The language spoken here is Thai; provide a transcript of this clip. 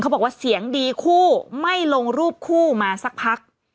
บอกว่าเสียงดีคู่ไม่ลงรูปคู่มาสักพัก